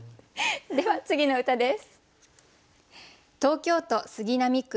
では次の歌です。